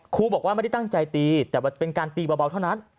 ครูบอกว่าไม่ได้ตั้งใจตีแต่เป็นการตีเบาเท่านั้น